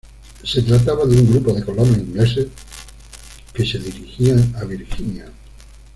Se trataba de un grupo de colonos ingleses que se dirigían a Virginia.